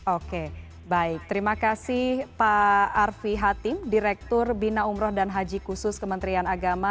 oke baik terima kasih pak arfi hatim direktur bina umroh dan haji khusus kementerian agama